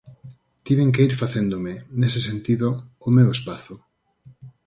Tiven que ir facéndome, nese sentido, o meu espazo.